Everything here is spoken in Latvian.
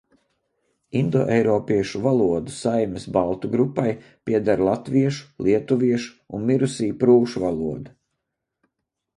Indoeiropiešu valodu saimes baltu grupai pieder latviešu, lietuviešu un mirusī prūšu valoda.